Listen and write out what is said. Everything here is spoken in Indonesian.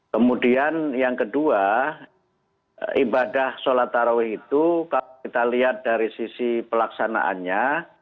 kemudian yang kedua ibadah sholat taraweh itu kalau kita lihat dari sisi pelaksanaannya